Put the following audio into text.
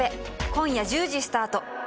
今夜１０時スタート。